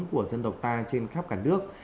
của dân tộc ta trên khắp cả nước